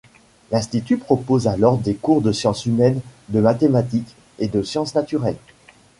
L'institut propose alors des cours de sciences humaines, de mathématiques, et de sciences naturelles.